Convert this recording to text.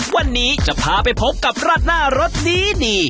วันนี้จะพาไปพบกับราดหน้ารสดี